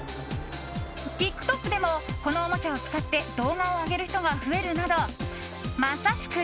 ＴｉｋＴｏｋでもこのおもちゃを使って動画を上げる人が増えるなどまさしく